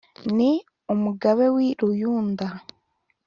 N' Umugabe w' i Ruyumba,